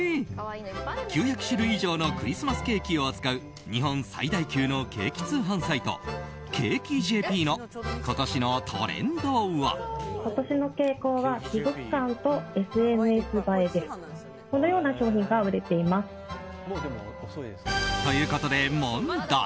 ９００種類以上のクリスマスケーキを扱う日本最大級のケーキ通販サイトＣａｋｅ．ｊｐの今年のトレンドは？ということで、問題。